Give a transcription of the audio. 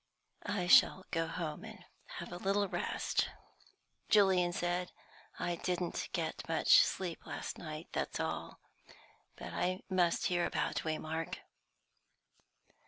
"I shall go home and have a little rest," Julian said. "I didn't get much sleep last night, that's all. But I must hear about Waymark."